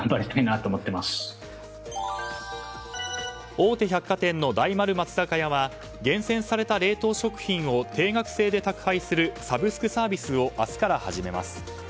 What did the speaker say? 大手百貨店の大丸松坂屋は厳選された冷凍食品を定額制で宅配するサブスクサービスを明日から始めます。